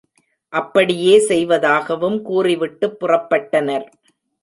அப்படியே செய்வதாகவும் கூறிவிட்டுப் புறப்பட்டனர்.